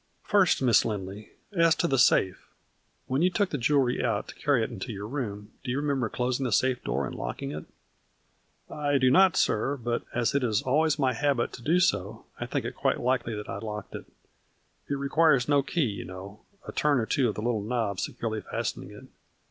" First, Miss Lindley, as to the safe. When you took the jewelry out to carry it into your room do you remember closing the safe door and locking it ?"" I do not, sir, but as it is always my habit to do so, I think it quite likely that I locked it. It requires no key, you know, a turn or two of the little knob securely fastening it.